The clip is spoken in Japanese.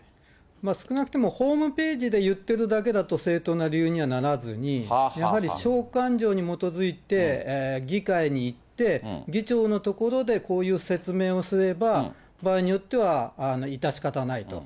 少なくてもホームページで言ってるだけだと、正当な理由にはならずに、やはり召喚状に基づいて、議会に行って、議長のところでこういう説明をすれば、場合によっては、致し方ないと。